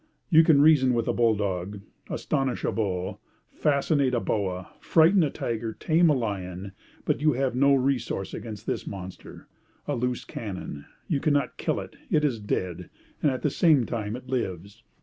You can reason with a bull dog, astonish a bull, fascinate a boa, frighten a tiger, tame a lion; but you have no resource against this monster, a loose cannon. You cannot kill it, it is dead; and at the same time it lives.